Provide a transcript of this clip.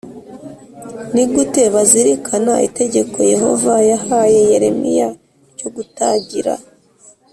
ni gute bazirikana itegeko Yehova yahaye Yeremiya ryo kutagira